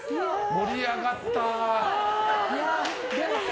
盛り上がった。